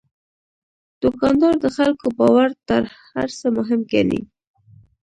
دوکاندار د خلکو باور تر هر څه مهم ګڼي.